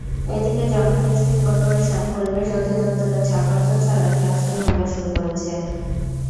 এদিকে Janata steel corporation পরিবেশ অধিদপ্তরের ছাড়পত্র ছাড়াই জাহাজটি ভাঙা শুরু করেছে।